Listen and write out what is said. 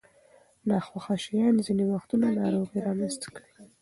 ناخوښه شیان ځینې وختونه ناروغۍ رامنځته کوي.